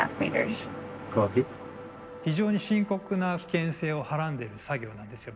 非常に深刻な危険性をはらんでいる作業なんですよ。